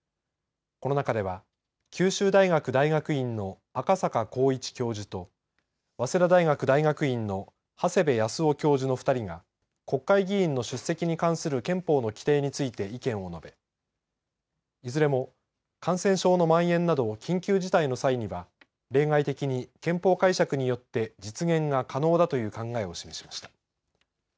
この中では九州大学大学院の赤坂幸一教授と早稲田大学大学院の長谷部恭男教授の２人が国会議員の出席に関する憲法の規定について意見を述べいずれも感染症のまん延など緊急事態の際には例外的に憲法解釈によって実現が可能だという考えを示しました。